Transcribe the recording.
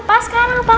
pak sekarang pak